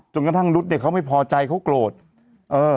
กระทั่งรุ๊ดเนี่ยเขาไม่พอใจเขาโกรธเออ